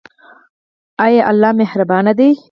آیا الله مهربان دی؟